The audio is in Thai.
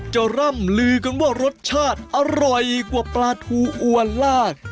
ร่ำลือกันว่ารสชาติอร่อยกว่าปลาทูอัวลาด